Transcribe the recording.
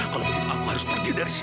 kalau begitu aku harus pergi dari sini